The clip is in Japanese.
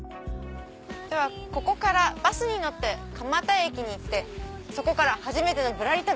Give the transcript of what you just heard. ではここからバスに乗って蒲田駅に行ってそこから初めての『ぶらり旅』！